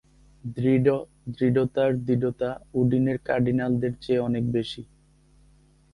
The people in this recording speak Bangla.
দৃঢ় দৃঢ়তার দৃঢ়তা উডিনের কার্ডিনালদের চেয়ে অনেক বেশি।